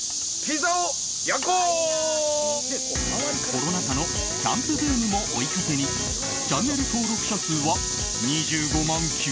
コロナ禍のキャンプブームも追い風にチャンネル登録者数は２５万９０００人。